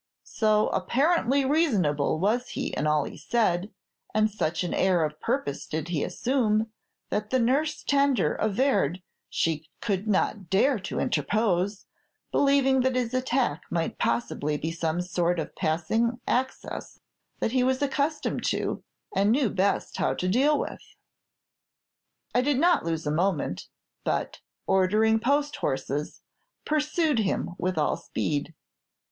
So apparently reasonable was he in all he said, and such an air of purpose did he assume, that the nurse tender averred she could not dare to interpose, believing that his attack might possibly be some sort of passing access that he was accustomed to, and knew best how to deal with. "I did not lose a moment, but, ordering post horses, pursued him with all speed.